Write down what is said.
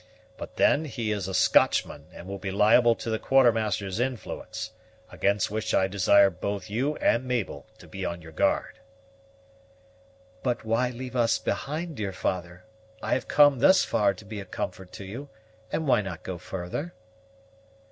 But then he is a Scotchman, and will be liable to the Quartermaster's influence, against which I desire both you and Mabel to be on your guard." "But why leave us behind, dear father? I have come thus far to be a comfort to you, and why not go farther?"